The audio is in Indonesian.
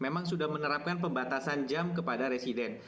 memang sudah menerapkan pembatasan jam kepada residen